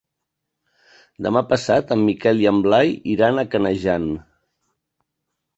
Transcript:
Demà passat en Miquel i en Blai iran a Canejan.